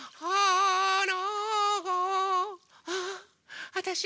ああわたし